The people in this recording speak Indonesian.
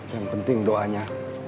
yang penting doanya